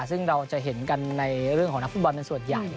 ซึ่งเราจะเห็นกันในเรื่องของนักฟุตบอลเป็นส่วนใหญ่